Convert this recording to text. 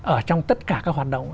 ở trong tất cả các hoạt động